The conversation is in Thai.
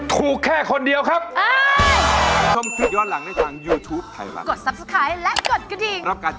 แค่คนเดียวครับ